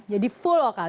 jadi full lokal